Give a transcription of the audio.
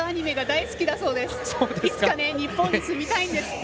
いつか、日本に住みたいんですって。